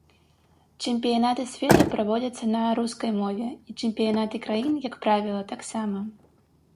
Чэмпіянаты свету праводзяцца на рускай мове, і чэмпіянаты краін, як правіла, таксама.